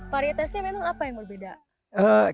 varietasnya memang apa yang berbeda